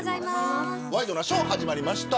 ワイドナショー、始まりました。